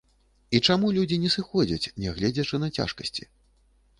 І чаму людзі не сыходзяць, нягледзячы на цяжкасці?